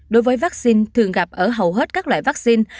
đối với vaccine thường gặp ở hầu hết các loại vaccine